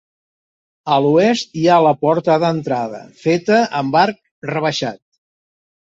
A l'oest hi ha la porta d'entrada, feta amb arc rebaixat.